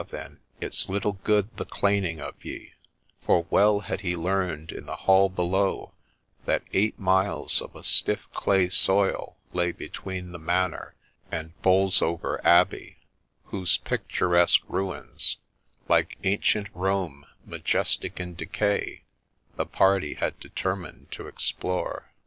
then, it 's little good the claning of ye 1 '— for well had he learned in the hall below that eight miles of a stiff clay soil lay between the manor and Bolsover Abbey, whose picturesque ruins, ' Like ancient Home, majestic in decay,' the party had determined to explore.